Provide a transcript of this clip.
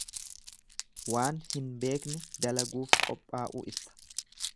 Waan hin beekne dalaguuf qopha'uu ibsa.